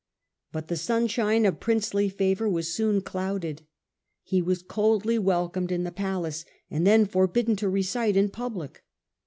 But the sunshine of princely favour was soon clouded; he was coldly wel comed in the palace, and then forbidden to recite in ^. public.